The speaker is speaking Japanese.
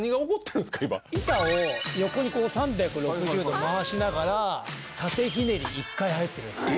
板を横に３６０度回しながら縦ひねり１回入ってるんですよ。